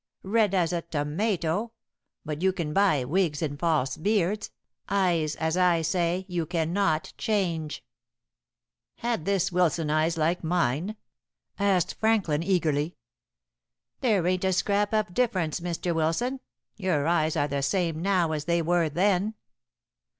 "Red as a tomato. But you can buy wigs and false beards. Eyes, as I say, you cannot change." "Had this Wilson eyes like mine?" asked Frankly eagerly. "There ain't a scrap of difference, Mr. Wilson. Your eyes are the same now as they were then."